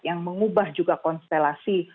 yang mengubah juga konstelasi